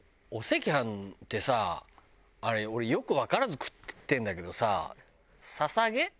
お赤飯ってさあれ俺よくわからず食ってるんだけどさささげ？